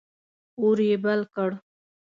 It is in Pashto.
اور یې بل کړ.